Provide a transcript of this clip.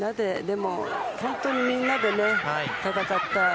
本当にみんなで戦った。